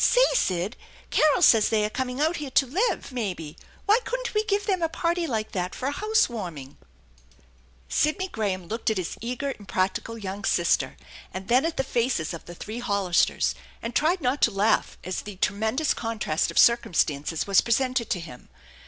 Say, Sid, Carol says they are coming out here to live, maybe; why couldn't we give them a party like that for a house warming ?" Sidney Graham looked at his eager, impractical young sister and then at the faces of the three Hollisters, and tried not to laugh as the tremendous contrast of circumstances was presented to him.